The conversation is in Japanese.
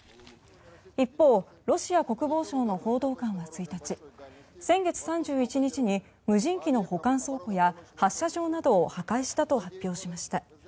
一方ロシア国防省の報道官は１日先月３１日に無人機の保管倉庫や発射場などを破壊したと発表しました。